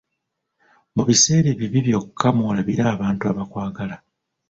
Mu biseera ebibi byokka mw'olabira abantu abakwagala.